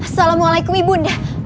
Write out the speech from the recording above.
assalamu'alaikum ibu bunda